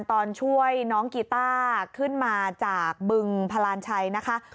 ตอนช่วยน้องกีต้าขึ้นมาจากบึงพลานชัยนะคะ